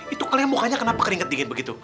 itu kalian mukanya kenapa keringet denget begitu